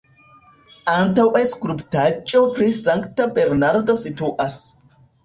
Antaŭe skulptaĵo pri Sankta Bernardo situas.